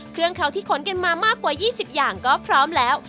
เครื่องเขาที่ขนกันมามากกว่า๒๐อย่างก็พร้อมแล้ว